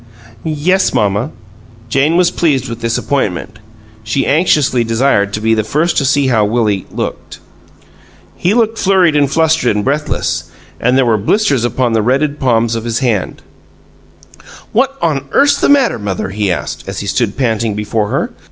"Yes, mamma." Jane was pleased with this appointment; she anxiously desired to be the first to see how Willie "looked." ... He looked flurried and flustered and breathless, and there were blisters upon the reddened palms of his hands. "What on earth's the matter, mother?" he asked, as he stood panting before her.